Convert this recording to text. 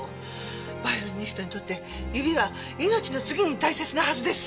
バイオリニストにとって指は命の次に大切なはずです！